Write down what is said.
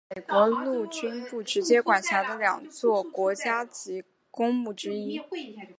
它是美国陆军部直接管辖的两座国家级公墓之一。